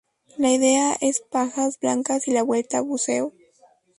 La ida es Pajas Blancas y la vuelta Buceo.